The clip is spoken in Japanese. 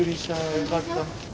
よかった。